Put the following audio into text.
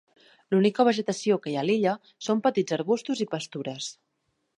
L'única vegetació que hi ha a l'illa són petits arbustos i pastures.